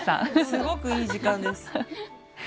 すごくいい時間です。